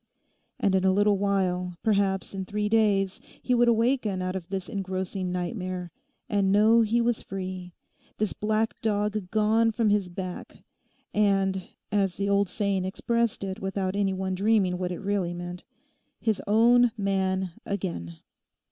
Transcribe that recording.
And in a little while, perhaps in three days, he would awaken out of this engrossing nightmare, and know he was free, this black dog gone from his back, and (as the old saying expressed it without any one dreaming what it really meant) his own man again.